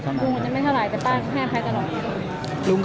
แต่ป๊าก้าแพ้ตอนนี้